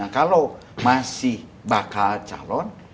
kalau masih bakal calon